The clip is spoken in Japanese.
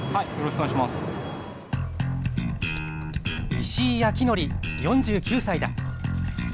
石井啓範、４９歳だ。